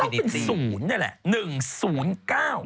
ก็ต้องเป็นศูนย์นี่แหละ๑๐๙